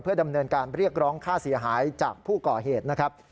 ดำเนินการเรียกร้องค่าเสียหายจากผู้ก่อเหตุนะครับ